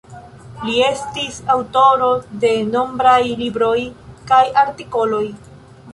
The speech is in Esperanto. Li estis aŭtoro de nombraj libroj kaj artikoloj.